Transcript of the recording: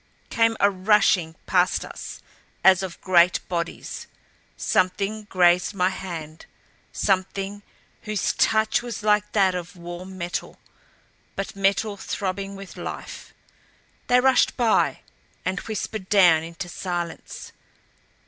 Came a rushing past us as of great bodies; something grazed my hand, something whose touch was like that of warm metal but metal throbbing with life. They rushed by and whispered down into silence.